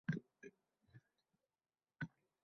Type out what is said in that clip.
Men hamsuhbatimning fikrlaridan ta’sirlandim.